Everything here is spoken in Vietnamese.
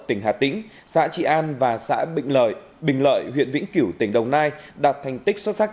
tỉnh hà tĩnh xã trị an và xã bình lợi huyện vĩnh cửu tỉnh đồng nai đạt thành tích xuất sắc